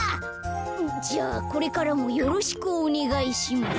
じゃあこれからもよろしくおねがいします。